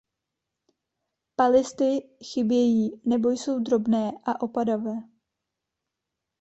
Palisty chybějí nebo jsou drobné a opadavé.